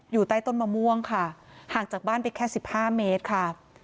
อยู่ใต้ต้นมะม่วงค่ะห่างจากบ้านไปแค่๑๕เมตรค่ะ